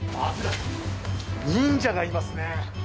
忍者がいますね。